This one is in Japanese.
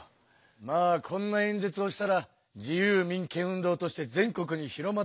まあこんな演説をしたら自由民権運動として全国に広まってね。